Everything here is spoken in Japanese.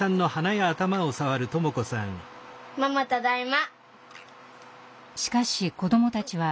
ママただいま。